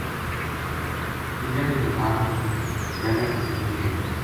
عیداں کی نماز ما زیادہ تکبیر کہنی۔